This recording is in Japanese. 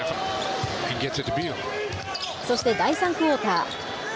そして第３クオーター。